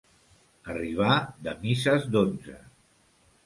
Arribar de misses d'onze.